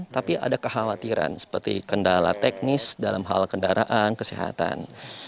tapi ada kekhawatiran seperti kendala teknis dalam hal kendaraan kesehatan